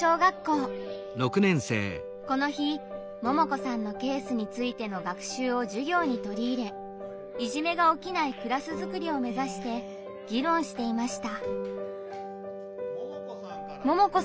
この日ももこさんのケースについての学習を授業に取り入れいじめが起きないクラスづくりを目指して議論していました。